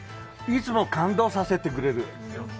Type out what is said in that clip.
いつも感動させてくれる。